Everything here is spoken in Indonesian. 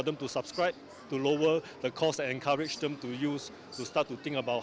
untuk menurunkan kos yang memperkenalkan mereka untuk memulai memikirkan produk